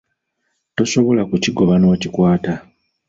Tosobola kukigoba n’okikwata.